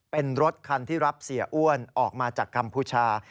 เป็นรถคันที่รับเสียอ้วนออกมาจากกัมพูชา